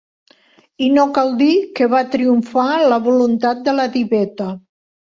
I no cal dir que va triomfar la voluntat de la diveta.